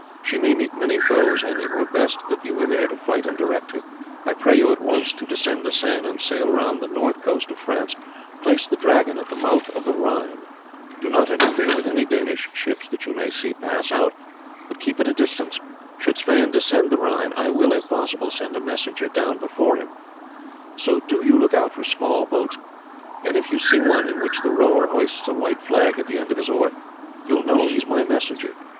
She may meet many foes, and it were best that you were there to fight and direct her. I pray you at once to descend the Seine and sailing round the north coast of France, place the Dragon at the mouth of the Rhine. Do not interfere with any Danish ships that you may see pass out, but keep at a distance. Should Sweyn descend the Rhine I will, if possible, send a messenger down before him, so do you look out for small boats; and if you see one in which the rower hoists a white flag at the end of his oar, you will know he is my messenger.